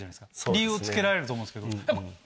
理由を付けられると思うんですけど。